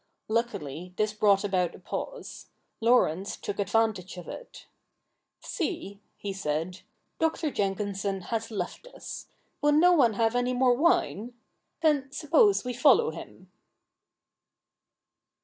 Luckily this brought about a pause. Laurence took advantage of it. ' See,' he said, ' Dr. Jenkinson has left us. Will no one have any more wine ?— Then suppose we follow him.'